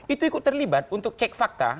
itu ikut terlibat untuk cek fakta